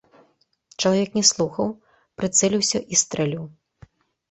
Чалавек не слухаў, прыцэліўся і стрэліў.